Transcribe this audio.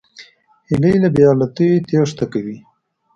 هیلۍ له بېعدالتیو تېښته کوي